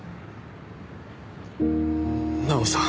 奈緒さん。